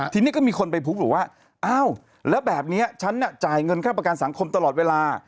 ทีนี้ก็มีคนไปพบบอกว่าอ้าวแล้วแบบนี้ฉันจ่ายเงินค่าประกันสังคมตลอดเวลา